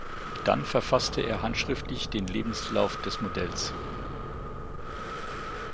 Dann verfasst er handschriftlich den Lebenslauf des Modells.